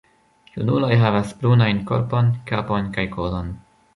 Junuloj havas brunajn korpon, kapon kaj kolon.